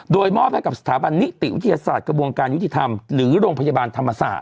โดยมอบให้กับสถาบันนิติวิทยาศาสตร์กระบวนการยุติธรรมหรือโรงพยาบาลธรรมศาสต